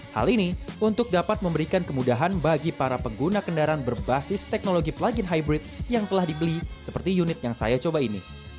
hal ini untuk dapat memberikan kemudahan bagi para pengguna kendaraan berbasis teknologi plug in hybrid yang telah dibeli seperti unit yang saya coba ini